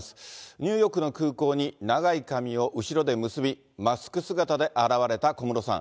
ニューヨークの空港に長い髪を後ろで結び、マスク姿で現れた小室さん。